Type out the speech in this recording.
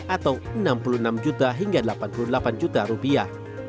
atau enam puluh enam juta hingga delapan puluh delapan juta rupiah